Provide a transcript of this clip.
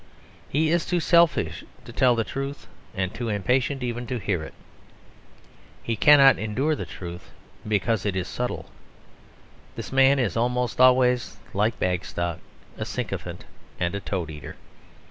He is too selfish to tell the truth and too impatient even to hear it. He cannot endure the truth, because it is subtle. This man is almost always like Bagstock a sycophant and a toad eater.